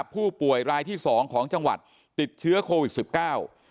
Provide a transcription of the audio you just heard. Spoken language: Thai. ผู้ป่วยรายที่สองของจังหวัดติดเชื้อโควิดสิบเก้า